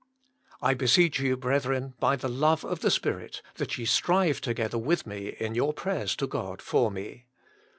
"I beseech you, brethren, by the love of the Spirit, that ye strive together with me in your prayers to God for me.